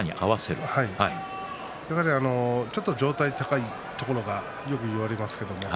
やはりちょっと上体が高いところがよく言われます。